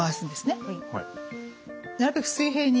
なるべく水平に。